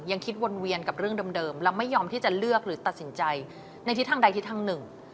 ยังคิดวนเวียนกับเรื่องเดิมแล้วไม่ยอมที่จะเลือกหรือตัดสินใจในทิศทางใดทิศทางหนึ่ง